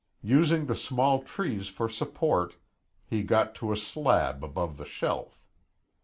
Using the small trees for support, he got to a slab above the shelf.